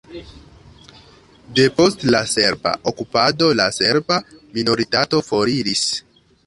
Depost la serba okupado la serba minoritato foriris.